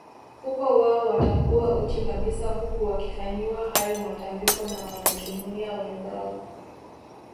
Huko wao watakuwa uchi kabisa huku wakifanyiwa hayo matambiko na wanajumuiya wenzao